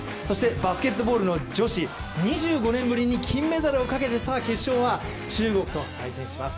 バスケットボールの女子、２５年ぶりに金メダルをかけて、さあ、決勝は中国と対戦します。